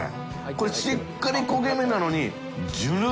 海しっかり焦げ目なのに犬